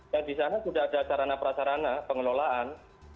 dan di sana sudah ada sarana perasarana pengelolaan